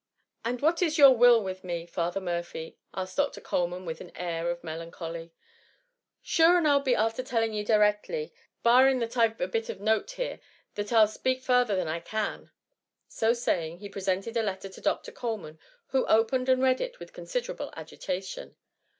''And what is your will with me. Father Murphy?" asked Dr. Coleman, with an air of melancholy. 150 THE MUMMY. a Sure and I ^d be afther telling ye directly^ barring that I Ve a bit o^ a note here, that ^U Bpak' fasther than I can.^ So saying he presented a letter to Dr. Cole* man, who opened and read it with considerable agitation.